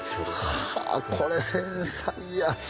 はぁこれ繊細や。